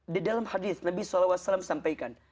di dalam hadis nabi saw sampaikan